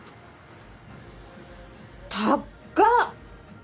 高っ！